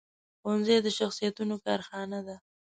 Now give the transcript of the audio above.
ښوونځی د شخصیتونو کارخانه ده